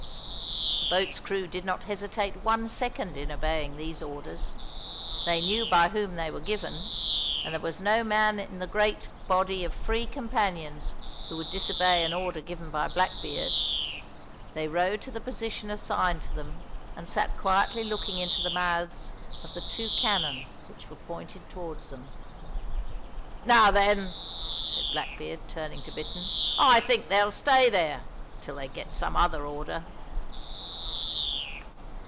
The boat's crew did not hesitate one second in obeying these orders. They knew by whom they were given, and there was no man in the great body of free companions who would disobey an order given by Blackbeard. They rowed to the position assigned them and sat quietly looking into the mouths of the two cannon which were pointed towards them. "Now then," said Blackbeard, turning to Bittern, "I think they'll stay there till they get some other order."